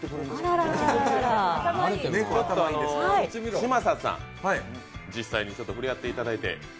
嶋佐さん、実際に触れ合っていただいて。